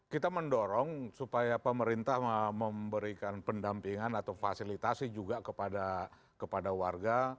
kita mendorong supaya pemerintah memberikan pendampingan atau fasilitasi juga kepada warga